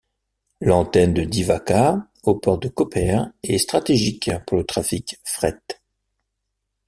L'antenne de Divača au port de Koper est stratégique pour le trafic fret.